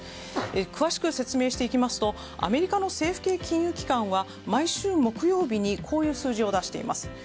詳しく説明しますとアメリカの政府系金融機関は毎週木曜日にこういう数字を出しています。